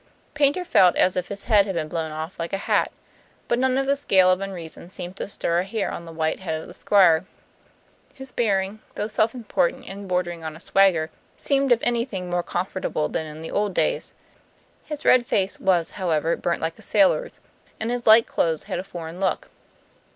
Paynter felt as if his head had been blown off like a hat. But none of this gale of unreason seemed to stir a hair on the white head of the Squire, whose bearing, though self important and bordering on a swagger, seemed if anything more comfortable than in the old days. His red face was, however, burnt like a sailor's, and his light clothes had a foreign look.